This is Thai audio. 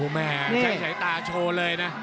แห่งตราโทมาโชเลยนะ